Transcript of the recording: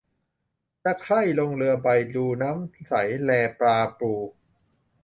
จะใคร่ลงเรือใบ ดูน้ำใสแลปลาปู